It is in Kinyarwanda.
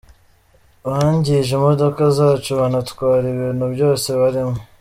Bangije imodoka zacu banatwara ibintu byose byarimo.”